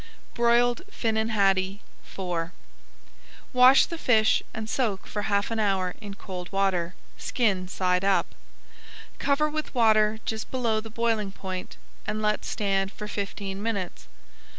BROILED FINNAN HADDIE IV Wash the fish and soak for half an hour in cold water, skin side up. Cover with water just below the boiling point, and let stand for fifteen minutes.